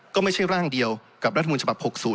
ก็ไม่ใช่ร่างเดียวกับรัฐมนต์ฉบับ๖๐